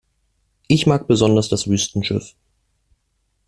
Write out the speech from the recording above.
Ich mag besonders das Wüstenschiff.